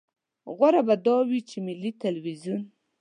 غوره به دا وي چې ملي ټلویزیون.